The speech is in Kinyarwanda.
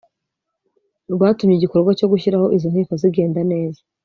rwatumye igikorwa cyo gushyiraho izo nkiko zigenda neza